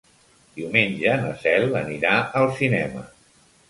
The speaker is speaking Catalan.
Diumenge na Cel anirà al cinema.